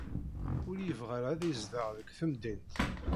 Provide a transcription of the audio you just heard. Ur yebɣi ara ad izdeɣ deg temdint.